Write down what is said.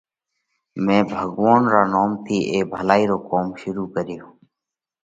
مئين ڀڳوونَ را نوم ٿِي اي ڀلائِي رو ڪوم شُروع ڪريوھ۔